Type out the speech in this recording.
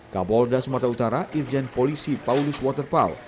kabolda sumatera utara irjen polisi paulus waterpau